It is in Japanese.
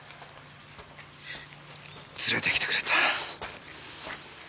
連れてきてくれた。